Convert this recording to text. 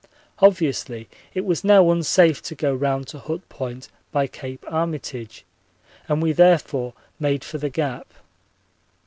Obviously it was now unsafe to go round to Hut Point by Cape Armitage and we therefore made for the Gap.